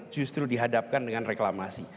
justru dihadapkan dengan reklamasi